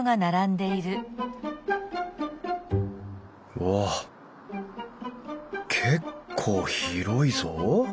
うわ結構広いぞ。